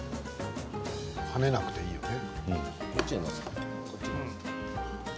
はねなくていいよね。